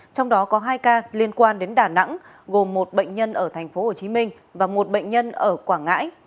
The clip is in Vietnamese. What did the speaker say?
trong đó có hai ca liên quan đến đà nẵng gồm một bệnh nhân ở tp hcm và một bệnh nhân ở quảng ngãi